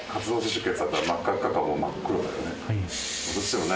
出血だったら真っ赤っかか真っ黒だよね。